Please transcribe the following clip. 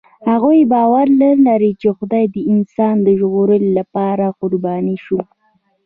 هغوی باور لري، چې خدای د انسان د ژغورلو لپاره قرباني شو.